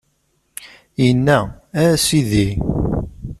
Inna-a: A Sidi!